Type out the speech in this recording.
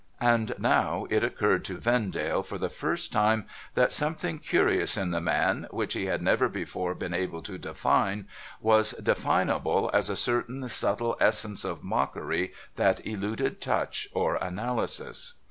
And now it occurred to Vendale for the first time that something curious in the man, which he had never before been able to define, was definable as a certain subtle essence of mockery that eluded touch or analysis.